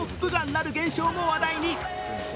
なる現象も話題に。